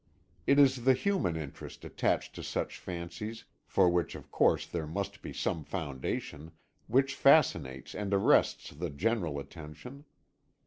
It is the human interest attached to such fancies for which, of course, there must be some foundation which fascinates and arrests the general attention.